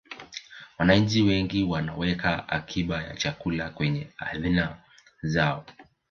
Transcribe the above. wananchi wengi wanaweka akiba ya chakula kwenye hadhina zao